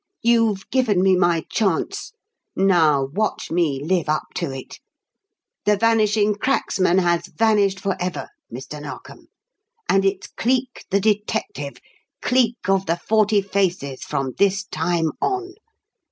"You've given me my chance; now watch me live up to it. The Vanishing Cracksman has vanished forever, Mr. Narkom, and it's Cleek, the detective Cleek of the Forty Faces from this time on.